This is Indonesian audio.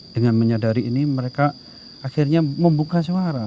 dengan menyadari ini mereka akhirnya membuka suara